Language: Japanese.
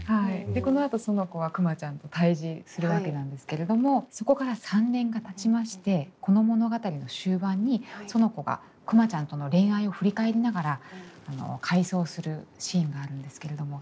でこのあと苑子はくまちゃんと対峙するわけなんですけれどもそこから３年がたちましてこの物語の終盤に苑子がくまちゃんとの恋愛を振り返りながら回想するシーンがあるんですけれども。